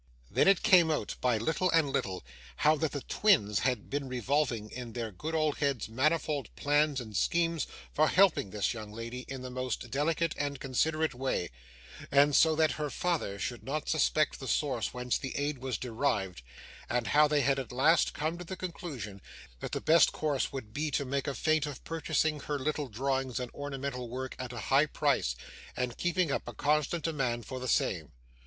Then it came out by little and little, how that the twins had been revolving in their good old heads manifold plans and schemes for helping this young lady in the most delicate and considerate way, and so that her father should not suspect the source whence the aid was derived; and how they had at last come to the conclusion, that the best course would be to make a feint of purchasing her little drawings and ornamental work at a high price, and keeping up a constant demand for the same.